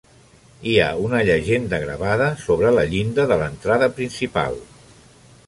Hi ha una llegenda gravada sobre la llinda de l'entrada principal.